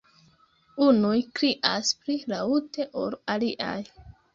Unuj krias pli laŭte ol aliaj.